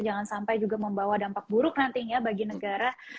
jangan sampai juga membawa dampak buruk nantinya bagi negara